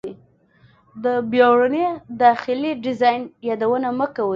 د بیړني داخلي ډیزاین یادونه مه کوئ